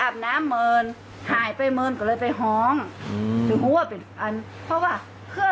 เพราะน้องเปิ้ลบอกเกยอาบน้ำเมินหายไปเมินก็เลยไปห้องอืม